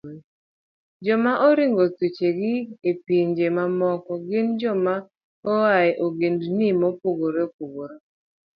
Joma oringo thuchegi a e pinje mamoko gin joma oa e ogendni mopogore opogore